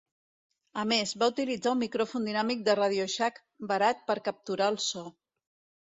A més, va utilitzar un micròfon dinàmic de Radioshack barat per capturar el so.